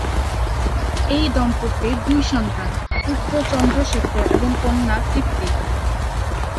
এই দম্পতির দুই সন্তান- পুত্র চন্দ্রশেখর এবং কন্যা তৃপ্তি।